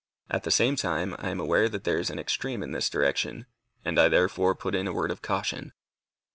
At the same time, I am aware that there is an extreme in this direction, and I therefore put in a word of caution.